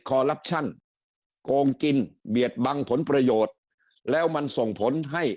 ลับชั่นโกงกินเบียดบังผลประโยชน์แล้วมันส่งผลให้